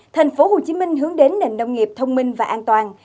thành phố hồ chí minh hướng đến nền nông nghiệp thông minh và an toàn